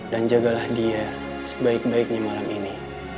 dan jagalah dia sebaik baiknya malam ini